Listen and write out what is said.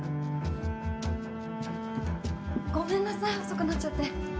ごめんなさい遅くなっちゃって。